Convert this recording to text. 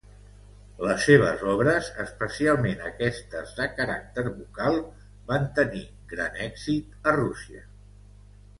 Les seves obres, especialment aquestes de caràcter vocal, van tenir gran èxit a Rússia.